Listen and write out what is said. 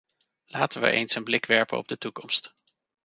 Laten we eens een blik werpen op de toekomst.